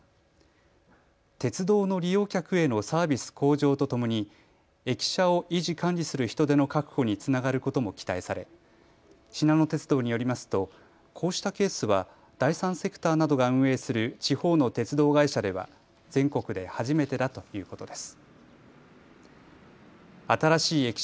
鉄道の利用客へのサービス向上とともに駅舎を維持管理する人手の確保につながることも期待されしなの鉄道によりますとこうしたケースは第三セクターなどが運営する地方の鉄道会社では全国で初めてだということです。